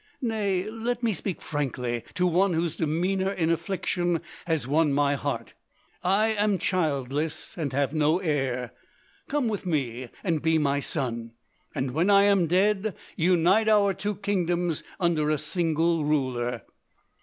Nay, let me speak frankly to one whose demeanour in affliction has won my heart; I am childless and have no heir. Come with me and be my son, and when I am dead unite our two kingdoms under a single ruler."